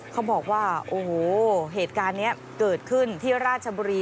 เขาบอกว่าโอ้โหเหตุการณ์นี้เกิดขึ้นที่ราชบุรี